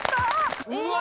うわ！